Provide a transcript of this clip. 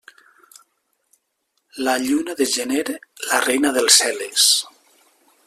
La lluna de gener la reina del cel és.